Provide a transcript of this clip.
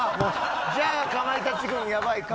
じゃあ、かまいたち軍やばいかも。